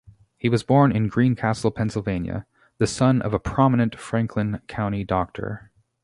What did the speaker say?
He was born in Greencastle, Pennsylvania, the son of a prominent Franklin County doctor.